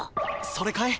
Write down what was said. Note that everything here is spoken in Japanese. それかい？